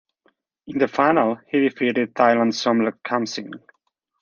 In the final he defeated Thailand's Somluck Kamsing.